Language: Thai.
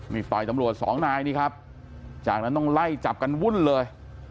นี่ต่อยตำรวจสองนายนี่ครับจากนั้นต้องไล่จับกันวุ่นเลย